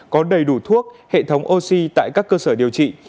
có đầy đủ thuốc hệ thống oxy tại các cơ sở điều trị